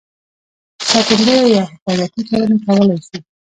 ساتندویه یا حفاظتي کرنه کولای شي.